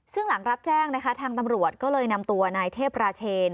ซึ่งหลังรับแจ้งนะคะทางตำรวจก็เลยนำตัวนายเทพราเชน